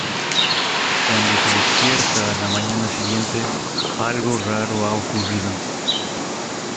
Cuando se despierta a la mañana siguiente, algo raro ha ocurrido.